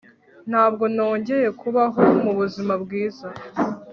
Ntabwo nongeye kubaho mubuzima bwiza